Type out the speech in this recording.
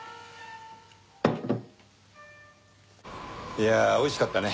いやあ美味しかったね。